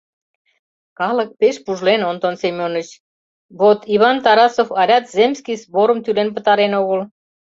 Калык пеш пужлен, Онтон Семёныч, вот Иван Тарасов алят земский сборым тӱлен пытарен огыл.